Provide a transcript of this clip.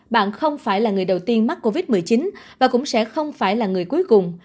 bạn không phải là người đầu tiên mắc covid một mươi chín và cũng sẽ không phải là người cuối cùng